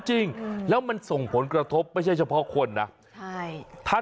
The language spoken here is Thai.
จริงแล้วมันส่งผลกระทบไม่ใช่เฉพาะคนนะใช่ถ้า